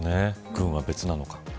軍は別なのか。